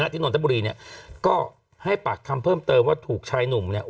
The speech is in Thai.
นนทบุรีเนี่ยก็ให้ปากคำเพิ่มเติมว่าถูกชายหนุ่มเนี่ย